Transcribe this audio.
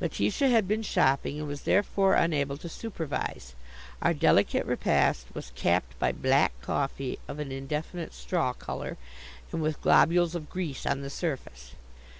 Letitia had been shopping, and was therefore unable to supervise. Our delicate repast was capped by "black" coffee of an indefinite straw color, and with globules of grease on the surface.